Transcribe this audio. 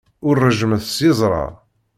Ur ṛejjmet s yeẓra.